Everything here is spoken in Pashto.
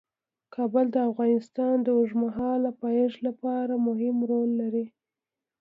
کابل د افغانستان د اوږدمهاله پایښت لپاره مهم رول لري.